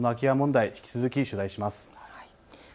この空き家問題、引き続き取材します。